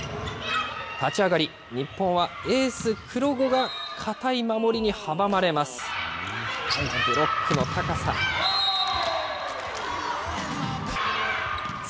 立ち上がり、日本はエース、黒後が堅い守りに阻まれます。